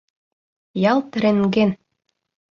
Ялт рентген.